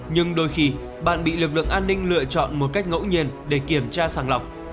nhưng đôi khi bạn bị lực lượng an ninh lựa chọn một cách ngẫu nhiên để kiểm tra sàng lọc